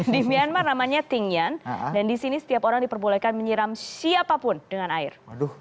di myanmar namanya tingyan dan di sini setiap orang diperbolehkan menyiram siapapun dengan air